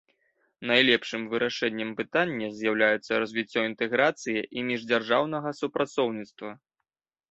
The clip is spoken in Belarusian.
Найлепшым вырашэннем пытання з'яўляецца развіццё інтэграцыі і міждзяржаўнага супрацоўніцтва.